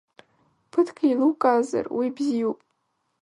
Ԥыҭк еилукаазар уи бзиоуп…